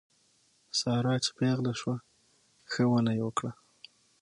ساره چې پېغله شوه ښه ونه یې وکړه.